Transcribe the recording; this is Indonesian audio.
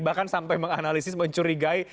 bahkan sampai menganalisis mencurigai